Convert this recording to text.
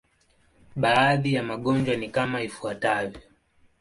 Baadhi ya magonjwa ni kama ifuatavyo.